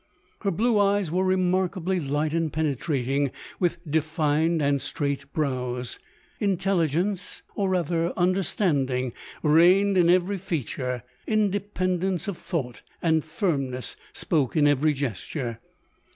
Her blue eyes were remarkably light and penetrating, with defined and straight brows. Intelligence, or rather understanding, reigned in every fea ture ; independence of thought, and firmness, spoke in every gesture.